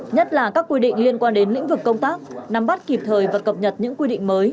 nhất là các quy định liên quan đến lĩnh vực công tác nắm bắt kịp thời và cập nhật những quy định mới